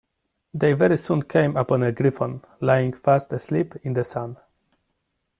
They very soon came upon a Gryphon, lying fast asleep in the sun.